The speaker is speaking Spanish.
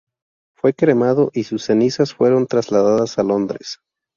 Fue cremado y sus cenizas fueron trasladadas a Londres.